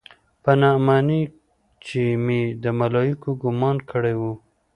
پر نعماني چې مې د ملايکو ګومان کړى و.